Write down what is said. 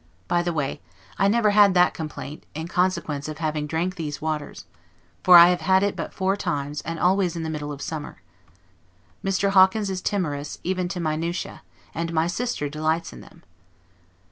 By the way, I never had that complaint, in consequence of having drank these waters; for I have had it but four times, and always in the middle of summer. Mr. Hawkins is timorous, even to minutia, and my sister delights in them.